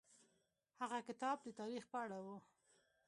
هغه کتاب د تاریخ په اړه و.